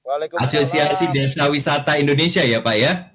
asosiasi desa wisata indonesia ya pak ya